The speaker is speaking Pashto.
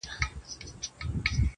o شكر دى چي مينه يې په زړه كـي ده.